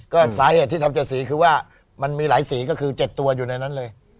ก็สาเหตุที่ทำ๗สีคือว่ามันมีหลายสีก็คือ๗ตัวอยู่ในนั้นเลย